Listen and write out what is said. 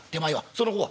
「その方は？」。